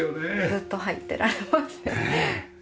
ずっと入っていられますね。